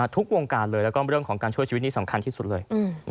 ทุกวงการเลยแล้วก็เรื่องของการช่วยชีวิตนี่สำคัญที่สุดเลย